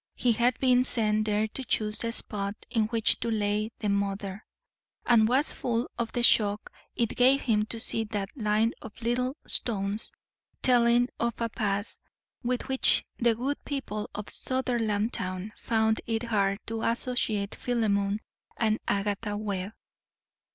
He had been sent there to choose a spot in which to lay the mother, and was full of the shock it gave him to see that line of little stones, telling of a past with which the good people of Sutherlandtown found it hard to associate Philemon and Agatha Webb.